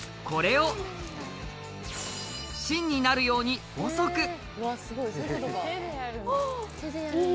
これを、芯になるように細く。